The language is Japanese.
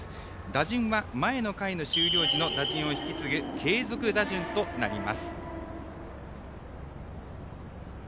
打順は前の回の終了時の打順を引き継ぐ、継続打順です。